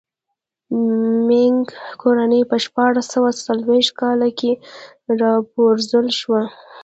مینګ کورنۍ په شپاړس سوه څلوېښت کاله کې را و پرځول شوه.